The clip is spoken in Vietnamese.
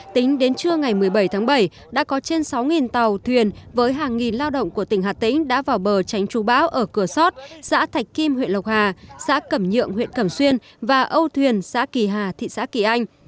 tính đến trưa ngày một mươi bảy tháng bảy đã có trên sáu tàu thuyền với hàng nghìn lao động của tỉnh hà tĩnh đã vào bờ tránh chú bão ở cửa sót xã thạch kim huyện lộc hà xã cẩm nhượng huyện cẩm xuyên và âu thuyền xã kỳ hà thị xã kỳ anh